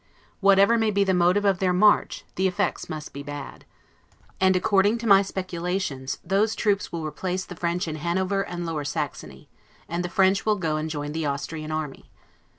Whatever may be the motive of their march, the effects must be bad; and, according to my speculations, those troops will replace the French in Hanover and Lower Saxony; and the French will go and join the Austrian army.